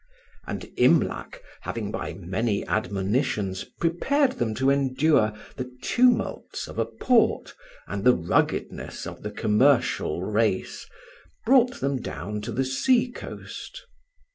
And Imlac having by many admonitions prepared them to endure the tumults of a port and the ruggedness of the commercial race, brought them down to the sea coast.